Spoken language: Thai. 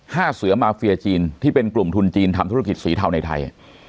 เสือมาเฟียจีนที่เป็นกลุ่มทุนจีนทำธุรกิจสีเทาในไทย